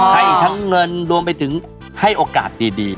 ให้ทั้งเงินรวมไปถึงให้โอกาสดี